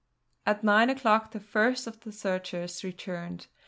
At nine o'clock the first of the searchers returned.